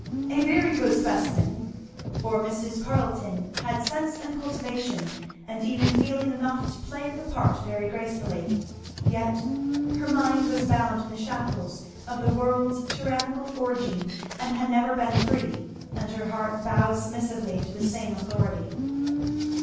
A very good specimen, for Mrs. Carleton had sense and cultivation and even feeling enough to play the part very gracefully; yet her mind was bound in the shackles of "the world's" tyrannical forging and had never been free; and her heart bowed submissively to the same authority.